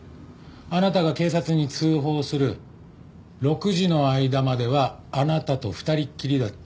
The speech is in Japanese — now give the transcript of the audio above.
あなたが警察に通報する６時の間まではあなたと２人っきりだった。